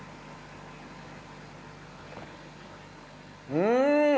うん！